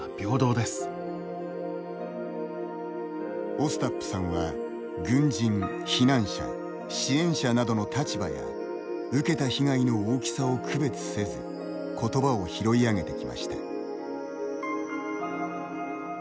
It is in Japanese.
オスタップさんは、軍人避難者・支援者などの立場や受けた被害の大きさを区別せず言葉を拾い上げてきました。